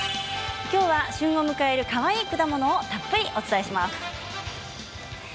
きょうは旬を迎えるかわいい果物をたっぷりお伝えします。